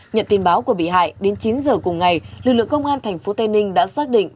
nhận tin báo của bị hại đến chín giờ cùng ngày lực lượng công an tp tây ninh đã xác định